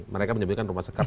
mereka menyebutkan rumah sekap